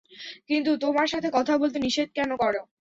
কিন্তু তোমার সাথে কথা বলতে নিষেধ কেন করে?